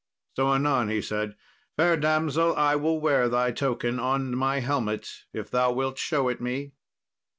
So anon he said, "Fair damsel, I will wear thy token on my helmet if thou wilt show it me."